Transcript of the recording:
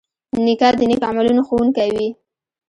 نیکه د نیک عملونو ښوونکی وي.